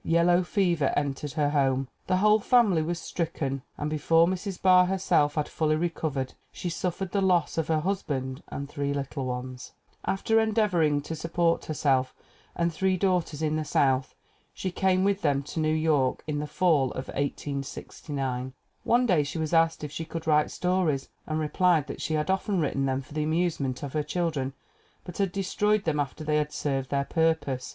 Yellow fever en tered her home. The whole family was stricken, and before Mrs. Barr herself had fully recovered she suf fered the loss of her husband and three little sons. AMELIA E. BARR 309 After endeavoring to support herself and three daughters in the South she came with them to New York in the fall of 1869. One day she was asked if she could write stories and replied that she had often written them for the amusement of her children but had destroyed them after they had served their purpose.